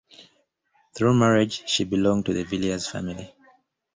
Through marriage she belonged to the Villiers family.